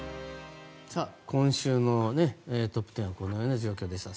今週のトップ１０はこのような状況でした。